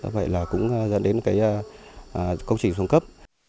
vậy là cũng dẫn đến cái công trình xuống cấp